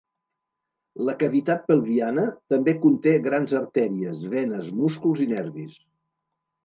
La cavitat pelviana també conté grans artèries, venes, músculs i nervis.